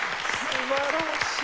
素晴らしい！